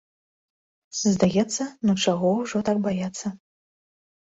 Здаецца, ну чаго ўжо так баяцца?